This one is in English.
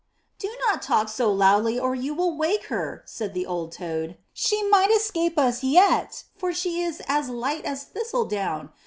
*'Do not talk so loud or you will wake her," said the old toad; ''she might escape us yet, for she is as light as thistledown